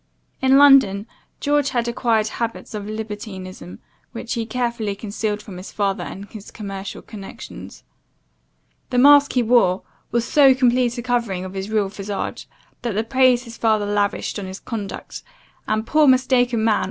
In London, George had acquired habits of libertinism, which he carefully concealed from his father and his commercial connections. The mask he wore, was so complete a covering of his real visage, that the praise his father lavished on his conduct, and, poor mistaken man!